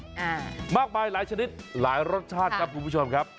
อ่ามากมายหลายชนิดหลายรสชาติครับคุณผู้ชมครับ